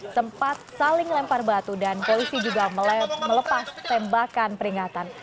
sempat saling lempar batu dan polisi juga melepas tembakan peringatan